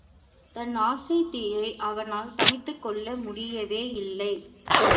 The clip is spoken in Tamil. தன் ஆசைத் தீயை அவனால் தணித்துக் கொள்ள முடியவேயில்லை.